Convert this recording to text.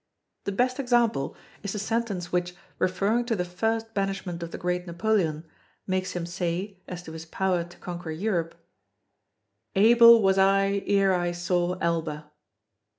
The best example is the sentence which, referring to the first banishment of the Great Napoleon, makes him say, as to his power to conquer Europe: "Able was I ere I saw Elba."